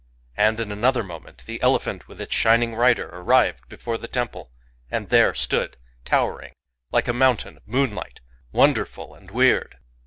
And, in another moment, the elephant with its shining rider arrived before the temple, and there stood towering, like a mountain of moonlight, — wonderful and weird.